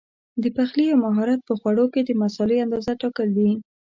د پخلي یو مهارت په خوړو کې د مسالې اندازه ټاکل دي.